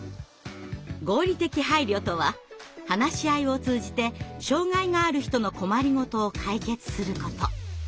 合理的配慮とは話し合いを通じて障害がある人の困りごとを解決すること。